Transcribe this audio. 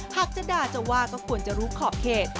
หากจะด่าจะว่าก็ควรจะรู้ขอบเขต